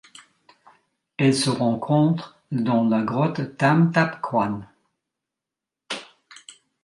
Elle se rencontre dans la grotte Tham Thap Kwang.